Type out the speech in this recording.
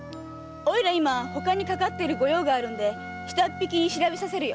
おいら今他にかかっている御用があるんで下っ引きに調べさせるよ。